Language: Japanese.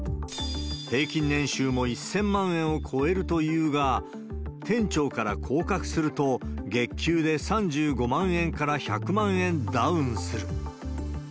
平均年収も１０００万円を超えるというが、店長から降格すると、月給で３５万円から１００万円ダウンする。